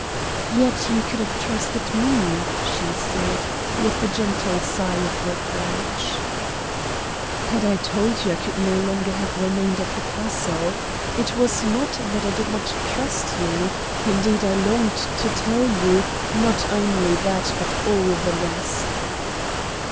"Yet you could have trusted me," she said, with a gentle sigh of reproach. "Had I told you, I could no longer have remained at the castle. It was not that I did not trust you indeed, I longed to tell you, not only that but all the rest."